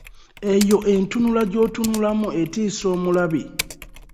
Eyo entunula gy'otunulamu etiisa omulabi.